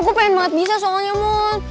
gue pengen banget bisa soalnya mon